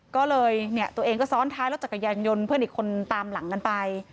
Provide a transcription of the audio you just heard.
ก็เลยเนี่ยตัวเองก็ซ้อนท้ายรถจักรยานยนต์เพื่อนอีกคนตามหลังกันไป